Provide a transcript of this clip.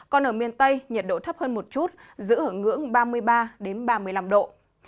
còn ở miền tây nhiệt độ thấp hơn một chút giữ ở ngưỡng ba mươi ba ba mươi năm độ